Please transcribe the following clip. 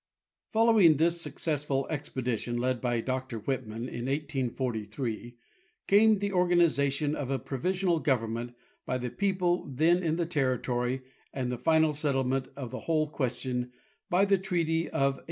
Following this successful expedition led by Dr Whitman in 1845 came the organization of a provisional government by the people then in the territory and the final settlement of the whole question by the treaty of 1846.